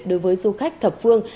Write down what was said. đối với du khách thập phương